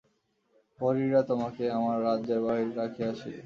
প্রহরীরা তোমাকে আমার রাজ্যের বাহিরে রাখিয়া আসিবে।